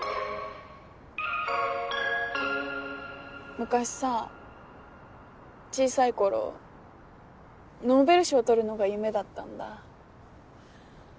昔さ小さい頃ノーベル賞取るのが夢だったんだ。